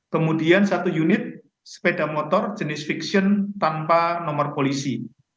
kemudian satu unit sepeda motor jenis fiksion tanpa nomor polisi